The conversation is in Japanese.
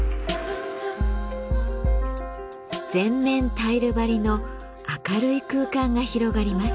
全面タイル張りの明るい空間が広がります。